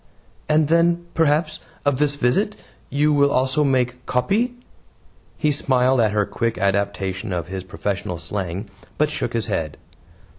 "And then, perhaps, of this visit you will also make 'copy'?" He smiled at her quick adaptation of his professional slang, but shook his head.